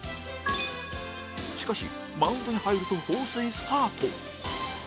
しかしマウンドに入ると放水スタート